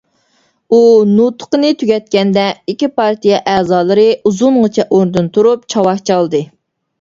ئۇ نۇتقىنى تۈگەتكەندە ئىككى پارتىيە ئەزالىرى ئۇزۇنغىچە ئورنىدىن تۇرۇپ چاۋاك چالدى.